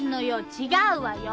違うわよ！